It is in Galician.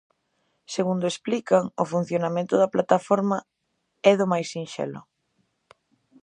Segundo explican, o funcionamento da plataforma "é do máis sinxelo".